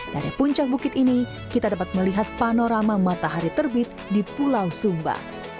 dari puncak bukit ini kita dapat melihat panorama matahari terbit di pulau sumba